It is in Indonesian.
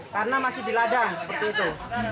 karena masih di ladang seperti itu